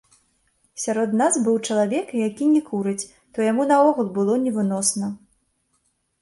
Сярод нас быў чалавек, які не курыць, то яму наогул было невыносна.